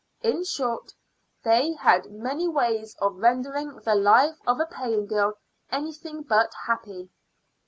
In short, they had many ways of rendering the life of a paying girl anything but happy.